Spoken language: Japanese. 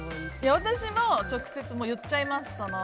私は直接、言っちゃいます。